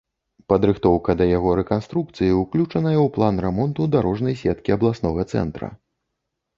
Падрыхтоўка да яго рэканструкцыі ўключаная ў план рамонту дарожнай сеткі абласнога цэнтра.